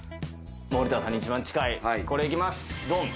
森田さんに一番近い、これ行きます。